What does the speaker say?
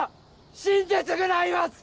死んで償います！